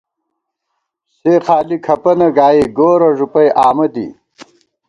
سے خالی کھپَنہ گائی گورہ ݫُپَئ آمہ دی